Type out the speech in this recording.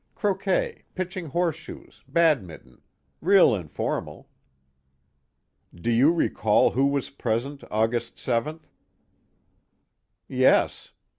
Croquet, pitching horse shoes, badminton. Real informal." "Do you recall who was present, August 7th?" "Yes. Mrs.